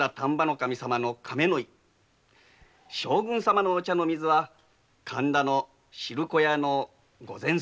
将軍様のお茶の水は神田の汁粉屋の御膳水。